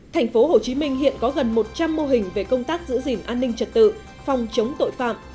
thành phố hồ chí minh hiện có gần một trăm linh mô hình về công tác giữ gìn an ninh trật tự phòng chống tội phạm